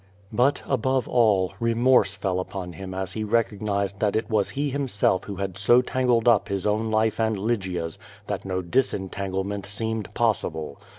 But, above all, remorse fell upon him as he recognized that it waA he himself who had so tangled up his own life and Lvgia's, that no disentanglement seemed ]K)ssiblc.